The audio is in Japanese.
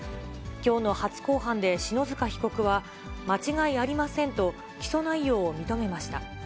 きょうの初公判で篠塚被告は、間違いありませんと、起訴内容を認めました。